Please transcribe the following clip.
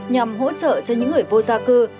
nhằm hỗ trợ cho những người vô gia cư